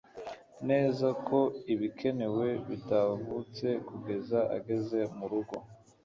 neza ko ibikenewe bitavutse kugeza ageze murugo